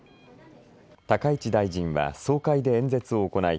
高市大臣は総会で演説を行い